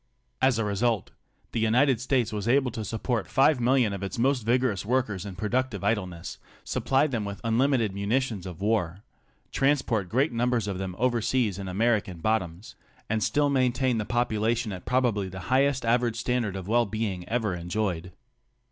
^ 245893 As a result, the United States was able to support five million of its most vigorous workers in productive idleness, supply them with unlimited munitions of war, transport great numbers of them overseas in American bottoms, and still maintain the population at probably the highest average standard of well being ever enjoyed.